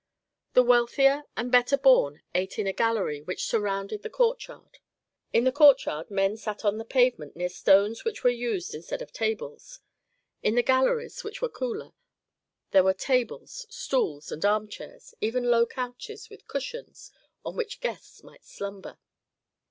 The wealthier and better born ate in a gallery which surrounded the courtyard. In the courtyard the men sat on the pavement near stones which were used instead of tables; in the galleries, which were cooler, there were tables, stools, and armchairs, even low couches, with cushions, on which guests might slumber.